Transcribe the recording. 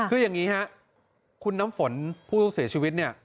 คืออย่างนี้ฮะคุณน้ำฝนผู้เสียชีวิตเนี่ย